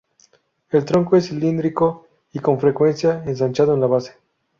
El tronco es cilíndrico y con frecuencia ensanchado en la base.